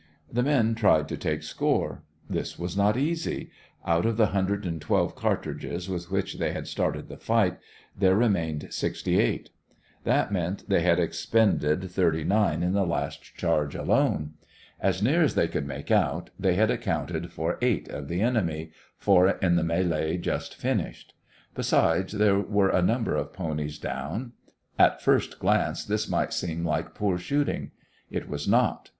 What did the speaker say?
The men tried to take score. This was not easy. Out of the hundred and twelve cartridges with which they had started the fight, there remained sixty eight. That meant they had expended thirty nine in the last charge alone. As near as they could make out, they had accounted for eight of the enemy, four in the mêlée just finished. Besides, there were a number of ponies down. At first glance this might seem like poor shooting. It was not.